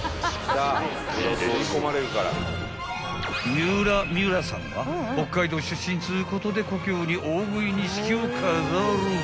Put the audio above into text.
［三浦みゅらさんは北海道出身っつうことで故郷に大食い錦を飾る］